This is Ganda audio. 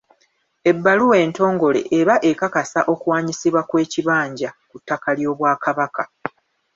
Ebbaluwa entongole eba ekakasa okuwaanyisibwa kw’ekibanja ku ttaka ly'Obwakabaka.